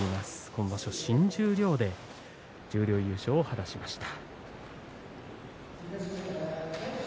今場所、新十両で十両優勝を果たしました。